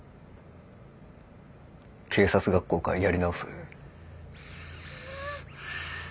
警察学校からやり直せ。